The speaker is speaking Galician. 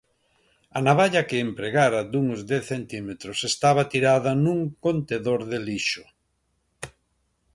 A navalla que empregara, duns dez centímetros, estaba tirada nun contedor de lixo.